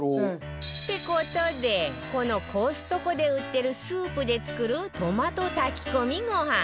って事でこのコストコで売ってるスープで作るトマト炊き込みご飯